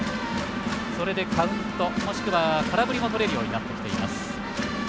それでカウント、もしくは空振りもとれるようになってきています。